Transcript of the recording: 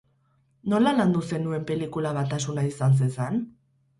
Nola landu zenuen pelikula, batasuna izan zezan?